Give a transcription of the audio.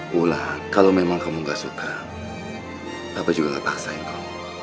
wulah kalau memang kamu nggak suka papa juga nggak paksain kamu